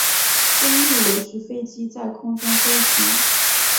升力维持飞机在空中飞行。